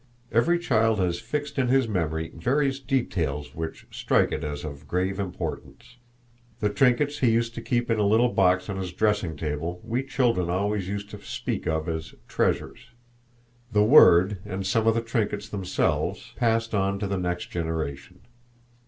Every child has fixed in his memory various details which strike it as of grave importance. The trinkets he used to keep in a little box on his dressing table we children always used to speak of as "treasures." The word, and some of the trinkets themselves, passed on to the next generation.